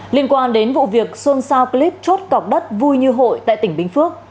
liên quan đến vụ việc xuân sao clip chốt cọc đất vui như hội tại tỉnh bình phước